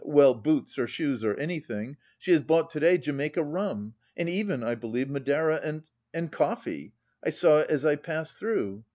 well, boots or shoes, or anything; she has bought to day Jamaica rum, and even, I believe, Madeira and... and coffee. I saw it as I passed through.